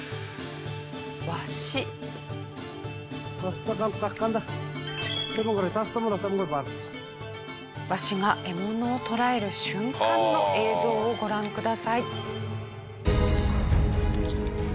すごい！続いてはワシが獲物を捕らえる瞬間の映像をご覧ください。